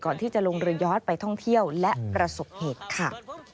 ก่อนที่จะลงเรือย้อนไปท่องเที่ยวและประสบเหตุค่ะ